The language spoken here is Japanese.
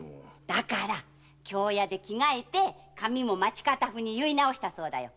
だから京屋で着替えて髪も町方風に結い直したそうだよ。